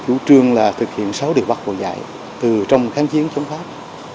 chú trương thực hiện sáu điều bắt bộ dạy từ trong kháng chiến chống pháp